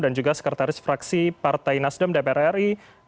dan juga sekretaris fraksi partai nasdam dpr ri